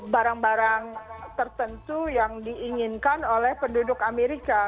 barang barang tertentu yang diinginkan oleh penduduk amerika